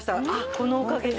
このおかげで。